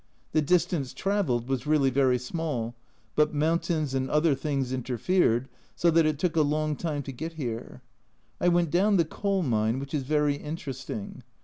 The distance traversed was really very small, but mountains and other things interfered, so that it took a long time to get here. I went down the coal mine, which is very interesting.